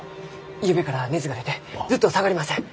ゆうべから熱が出てずっと下がりません！